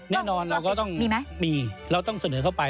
แน่นอนเราก็ต้องมีไหมมีเราต้องเสนอเข้าไป